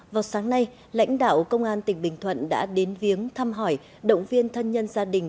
vào sáng nay lãnh đạo công an tỉnh bình thuận đã đến viếng thăm hỏi động viên thân nhân gia đình